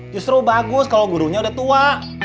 justru bagus kalau gurunya udah tua